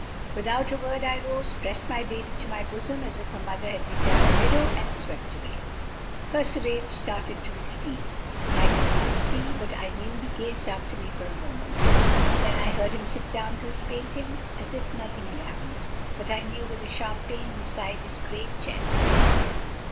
Without a word I rose, pressed my baby to my bosom as if her mother had been left a widow, and swept away. Percivale started to his feet. I did not see, but I knew he gazed after me for a moment; then I heard him sit down to his painting as if nothing had happened, but, I knew, with a sharp pain inside his great chest.